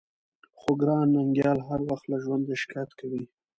خو ګران ننګيال هر وخت له ژونده شکايت کوي.